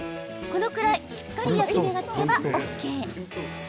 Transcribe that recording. このくらい、しっかり焼き目がつけばＯＫ。